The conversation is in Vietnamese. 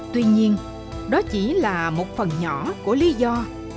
tuy nhiên đó chỉ là một phần nhỏ của lý do